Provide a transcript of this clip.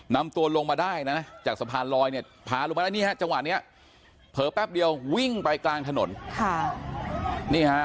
นำตัวลงมาได้จากสะพานรอยพาลงมาแล้วจังหวะนี้เผลอแป๊บเดียววิ่งไปกลางถนน